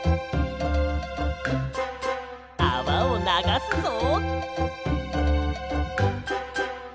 あわをながすぞ！